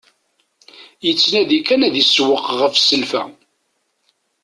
Yettnadi kan ad isewweq ɣef selfa.